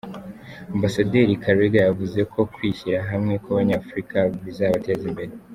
Ambasaderi Karega yavuze ko kwishyira hamwe kw’Abanyafurika bizabateza imbere.